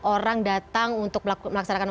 orang datang untuk melaksanakan